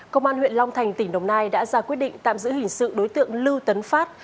công an huyện long thành tỉnh đồng nai đã ra quyết định tạm giữ hình sự đối tượng lưu tấn phát